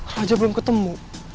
raja belum ketemu